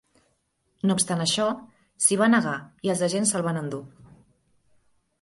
No obstant això, s'hi va negar i els agents se'l van endur.